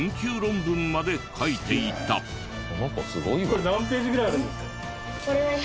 これ何ページぐらいあるんですか？